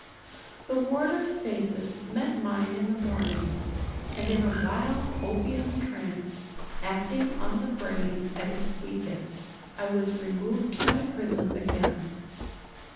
The warders' faces met mine in the morning; and in a wild opium trance, acting on the brain at its weakest, I was removed to my prison again.